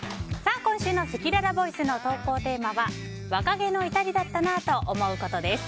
今週のせきららボイスの投稿テーマは若気の至りだったなぁと思うことです。